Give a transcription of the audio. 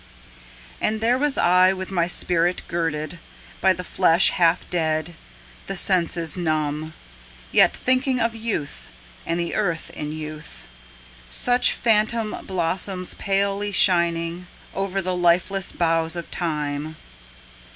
And there was I with my spirit girded By the flesh half dead, the senses numb Yet thinking of youth and the earth in youth,— Such phantom blossoms palely shining Over the lifeless boughs of Time.